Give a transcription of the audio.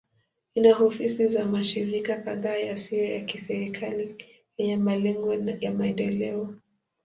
Ina ofisi za mashirika kadhaa yasiyo ya kiserikali yenye malengo ya maendeleo.